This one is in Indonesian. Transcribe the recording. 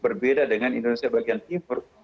berbeda dengan indonesia bagian timur